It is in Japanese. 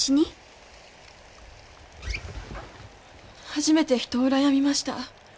初めて人を羨みました。